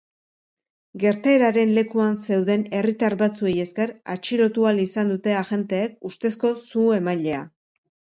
Gertaeraren lekuan zeuden herritar batzuei esker atxilotu ahal izan dute agenteek ustezko su-emailea.